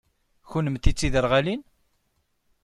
Kennemti d tiderɣalin?